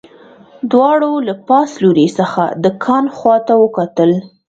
دواړو له پاس لوري څخه د کان خواته وکتل